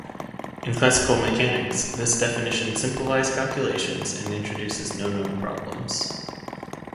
In classical mechanics, this definition simplifies calculations and introduces no known problems.